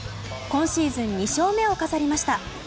今シーズン２勝目を飾りました。